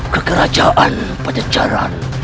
ke kerajaan pajajaran